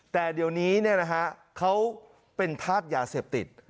แต่เดี๋ยวนี้เขาเป็นธาตุยาเสพติด